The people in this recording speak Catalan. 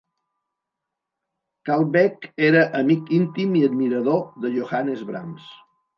Kalbeck era amic íntim i admirador de Johannes Brahms.